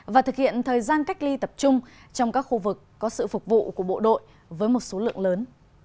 và thực hiện thời gian cách ly tập trung trong các khu vực có sự phục vụ của bộ đội với một số lượng lớn